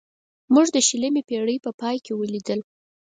موږ د شلمې پېړۍ په پای کې ولیدل.